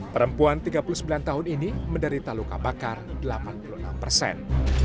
perempuan tiga puluh sembilan tahun ini menderita luka bakar delapan puluh enam persen